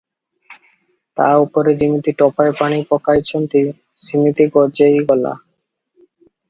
ତା ଉପରେ ଯିମିତି ଟୋପାଏ ପାଣି ପକାଇଛନ୍ତି, ସିମିତି ଗଜେଇ ଗଲା ।